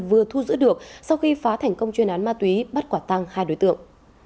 vừa thu giữ được sau khi phá thành công chuyên án ma túy bắt quả tăng hai đối tượng